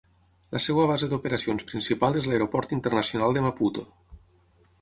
La seva base d'operacions principal és l'Aeroport Internacional de Maputo.